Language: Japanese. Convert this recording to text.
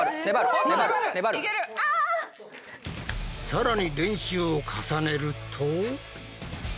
さらに練習を重ねると。